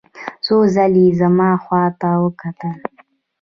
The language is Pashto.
څو ځلې یې زما خواته وکتل.